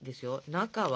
中は？